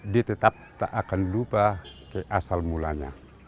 ditetap tak akan lupa ke asal mulanya